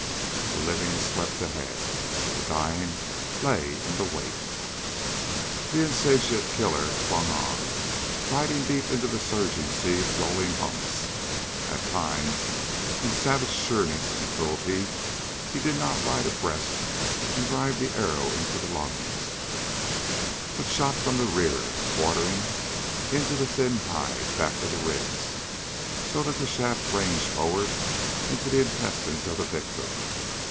The living swept ahead, the dying lay in the wake. The insatiate killer clung on, riding deep into the surging sea of rolling humps. At times, in savage sureness and cruelty, he did not ride abreast and drive the arrow into the lungs, but shot from the rear, quartering, into the thin hide back of the ribs, so that the shaft ranged forward into the intestines of the victim.